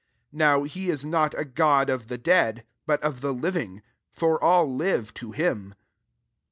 38 Now he is not a God of the dead, but of the living : for all live to him."